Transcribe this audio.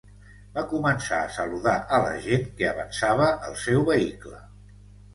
Va començar a saludar a la gent que avançava el seu vehicle.